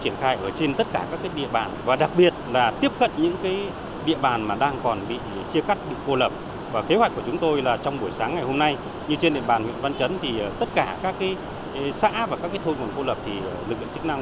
như trên địa bàn huyện văn chấn thì tất cả các xã và các thôn quần cô lập thì lực lượng chức năng